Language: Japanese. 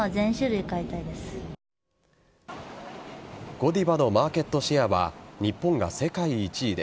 ゴディバのマーケットシェアは日本が世界１位で